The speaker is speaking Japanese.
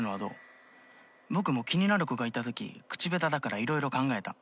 「僕も気になる子がいた時口下手だから色々考えた」